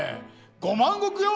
５万石よ？